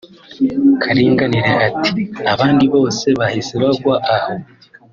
Karinganire ati “ abandi bose bahise bagwa aho